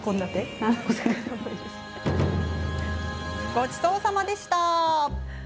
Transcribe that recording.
ごちそうさまでした。